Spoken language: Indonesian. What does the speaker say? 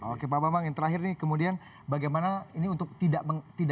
oke pak bambang yang terakhir nih kemudian bagaimana ini untuk tidak